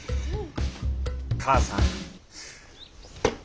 母さん。